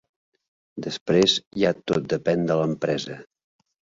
Després ja tot depèn de l'empresa.